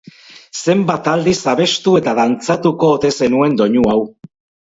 Zenbat aldiz abestu eta dantzatuko ote zenuen doinu hau!